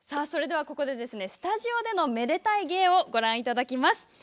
それでは、ここでスタジオでのめでたい芸をご覧いただきます。